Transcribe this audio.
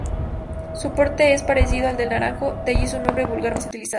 Su porte es parecido al del Naranjo de allí su nombre vulgar más utilizado.